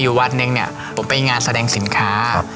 วันหนึ่งเนี่ยผมไปงานแสดงสินค้า